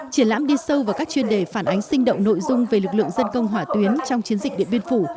triển lãm đi sâu vào các chuyên đề phản ánh sinh động nội dung về lực lượng dân công hỏa tuyến trong chiến dịch điện biên phủ